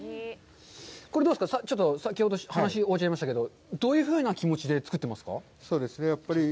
これ、どうですか、先ほど話、終わっちゃいましたけど、どういうふうな気持ちで作ってますか？